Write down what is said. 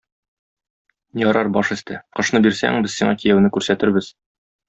Ярар, баш өсте, кошны бирсәң, без сиңа кияүне күрсәтербез.